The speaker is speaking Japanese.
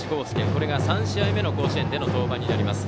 これが３試合目の甲子園での登板になります。